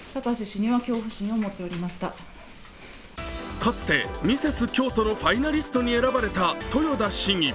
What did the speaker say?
かつてミセス京都のファイナリストに選ばれた豊田市議。